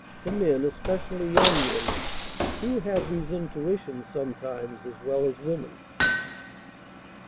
For men, especially young men, do have these intuitions sometimes as well as women.